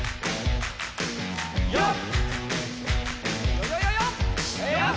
よっ！